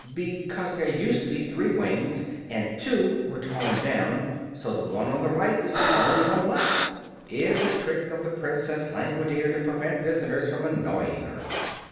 "Because there used to be three wings, and two were torn down, so the one on the right is the only one left. It is a trick of the Princess Langwidere to prevent visitors from annoying her."